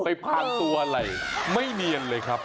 พันตัวอะไรไม่เนียนเลยครับ